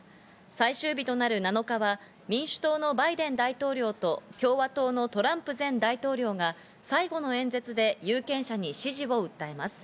最終日となる７日は民主党のバイデン大統領と、共和党のトランプ前大統領が、最後の演説で有権者に支持を訴えます。